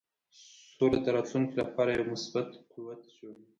سوله د راتلونکې لپاره یو مثبت قوت جوړوي.